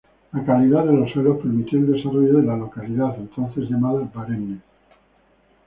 La calidad de los suelos permitió el desarrollo de la localidad entonces llamada Varennes.